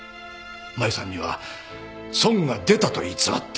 マユさんには損が出たと偽って。